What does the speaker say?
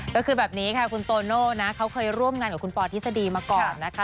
ก็คือแบบนี้ค่ะคุณโตโน่นะเขาเคยร่วมงานกับคุณปอทฤษฎีมาก่อนนะคะ